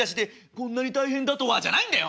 「こんなに大変だとは」じゃないんだよ！